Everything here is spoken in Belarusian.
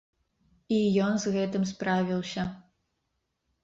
І ён з гэтым справіўся.